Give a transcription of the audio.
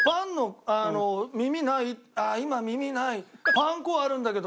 パン粉あるんだけど。